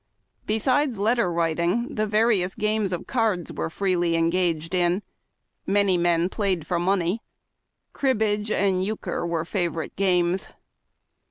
Besides letter writing the various games of cards were freely engaged in. Many men pla3 ed for money. Cribbage and euchre were favorite games.